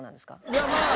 いやまあ。